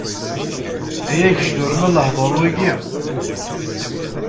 Ay agejdur ma lehduṛ wigi!